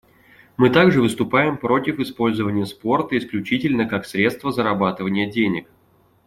Мы также выступаем против использования спорта исключительно как средства зарабатывания денег.